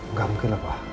nggak mungkin lah pak